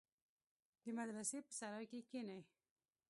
د مدرسې په سراى کښې کښېني.